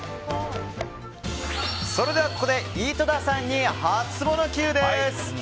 それではここで井戸田さんにハツモノＱです！